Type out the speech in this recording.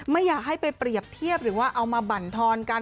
ไม่อยากให้ไปเปรียบเทียบหรือว่าเอามาบรรทอนกัน